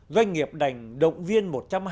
doanh nghiệp đành động viên